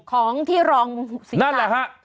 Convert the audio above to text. ของที่รองสิงหาดนั่นแหละ